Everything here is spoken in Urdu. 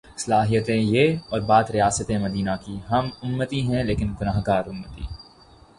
صلاحیتیں یہ اور بات ریاست مدینہ کی ہم امتی ہیں لیکن گناہگار امتی۔